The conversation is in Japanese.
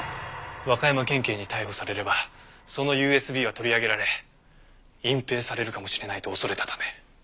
和歌山県警に逮捕されればそのＵＳＢは取り上げられ隠蔽されるかもしれないと恐れたため。